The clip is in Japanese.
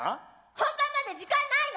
本番まで時間ないの！